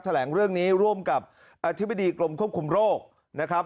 แถลงเรื่องนี้ร่วมกับอธิบดีกรมควบคุมโรคนะครับ